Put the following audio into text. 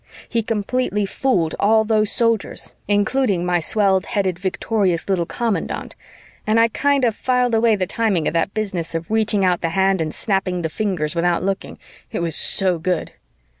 He completely fooled all those Soldiers, including my swelled headed victorious little commandant, and I kind of filed away the timing of that business of reaching out the hand and snapping the fingers without looking, it was so good.